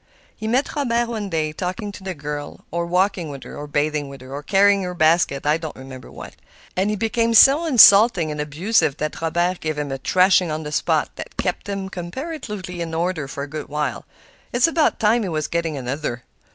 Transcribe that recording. He met Robert one day talking to the girl, or walking with her, or bathing with her, or carrying her basket—I don't remember what;—and he became so insulting and abusive that Robert gave him a thrashing on the spot that has kept him comparatively in order for a good while. It's about time he was getting another."